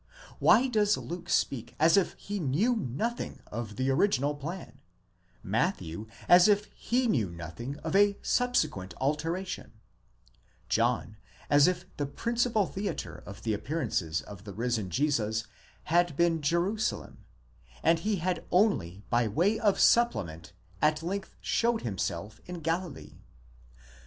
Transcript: Why does Luke speak as if he knew nothing of the original plan ; Matthew, as if he knew nothing of a subsequent alteration ; John, as if the principal theatre of the appearances of the risen Jesus had been Jerusalem, and he had only by way of supplement at length showed himself in Galilee?